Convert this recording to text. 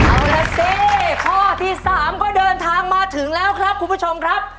เอาล่ะสิข้อที่๓ก็เดินทางมาถึงแล้วครับคุณผู้ชมครับ